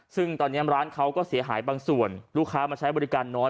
ซึ่งตอนนี้ร้านเขาก็เสียหายบางส่วนลูกค้ามาใช้บริการน้อย